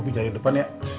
bobi cari di depan ya